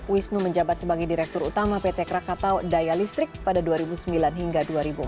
wisnu menjabat sebagai direktur utama pt krakatau daya listrik pada dua ribu sembilan hingga dua ribu empat belas